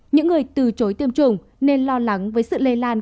những người từ chối tiêm chủng nên lo lắng với sự lây lan